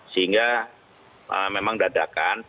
sehingga memang dadakan